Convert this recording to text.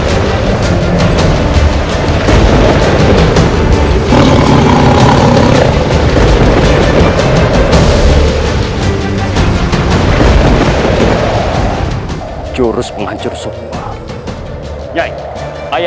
daripada seorang firma kini